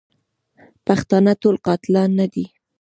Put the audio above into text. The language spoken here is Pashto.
پښتانه ټول قاتلان نه دي.